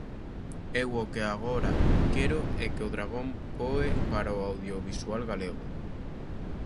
Eu o que agora quero é que o dragón voe para o audiovisual galego.